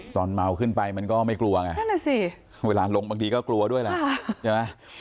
ตอนเมาขึ้นไปมันก็ไม่กลัวไงนั่นน่ะสิเวลาลงบางทีก็กลัวด้วยแหละใช่ไหม